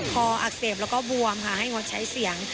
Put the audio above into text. อักเสบแล้วก็บวมค่ะให้งดใช้เสียง